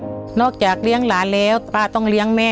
คนที่สองชื่อน้องก็เอาหลานมาให้ป้าวันเลี้ยงสองคน